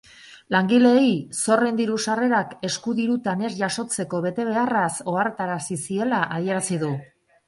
Langileei zorren diru-sarrerak eskudirutan ez jasotzeko betebeharraz ohartarazi ziela adierazi du.